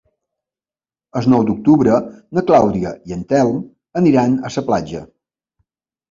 El nou d'octubre na Clàudia i en Telm aniran a la platja.